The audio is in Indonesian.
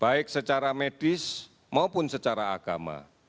baik secara medis maupun secara agama